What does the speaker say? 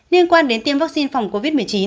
liên quan đến tiêm vaccine phòng covid một mươi chín